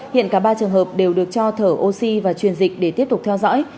hiện cả ba trường hợp đều được cho thở oxy và truyền dịch để tiếp tục theo dõi